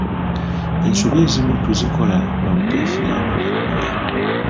Ensobi ezimu tuzikola lwa buteefiirayo mu bye tukola.